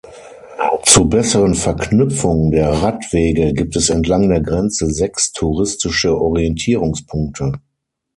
Zur besseren Verknüpfung der Radwege gibt es entlang der Grenze sechs Touristische Orientierungspunkte.